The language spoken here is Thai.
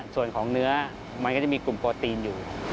ส่วนของเนื้อมันก็จะมีกลุ่มโปรตีนอยู่